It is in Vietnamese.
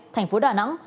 thành phố đà nẵng